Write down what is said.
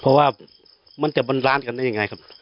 เพราะว่ามันจะบรรล้านกันได้ยังไงครับ